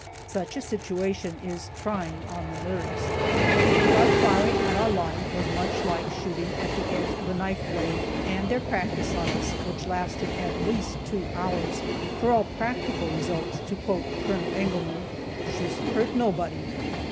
Such a situation is trying on the nerves. But firing at our line was much like shooting at the edge of a knife blade, and their practice on us, which lasted at least two hours, for all practical results, to quote Col. Engelmann, "shoost hurt nobody."